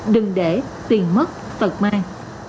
đừng để tiền mất phật mai